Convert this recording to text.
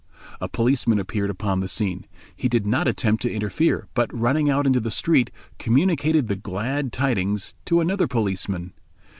A policeman appeared upon the scene. He did not attempt to interfere, but running out into the street communicated the glad tidings to another policeman.